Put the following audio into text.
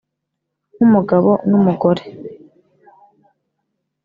nk umugabo n umugore